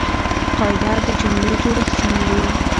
قاعده د جملې جوړښت سموي.